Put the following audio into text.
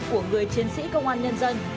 của người chiến sĩ công an nhân dân